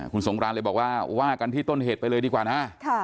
คุณสงครานเลยบอกว่าว่ากันที่ต้นเหตุไปเลยดีกว่านะ